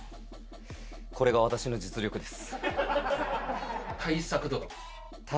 これが私の実力です。